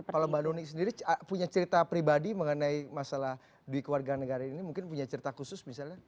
kalau mbak doni sendiri punya cerita pribadi mengenai masalah duit warga negara ini mungkin punya cerita khusus misalnya